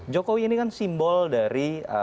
jokowi ini kan simbol dari